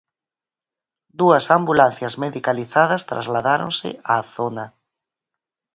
Dúas ambulancias medicalizadas trasladáronse á zona.